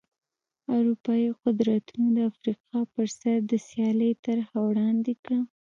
اروپايي قدرتونو د افریقا پر سر د سیالۍ طرحه وړاندې کړه.